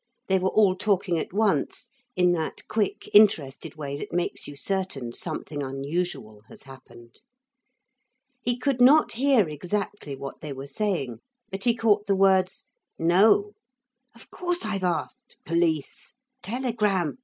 They were all talking at once, in that quick interested way that makes you certain something unusual has happened. He could not hear exactly what they were saying, but he caught the words: 'No.' 'Of course I've asked.' 'Police.' 'Telegram.'